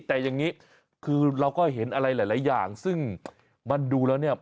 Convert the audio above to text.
แต่อย่างนี้คือเราก็เห็นอะไรหลายอย่างซึ่งมันดูแล้วเนี่ย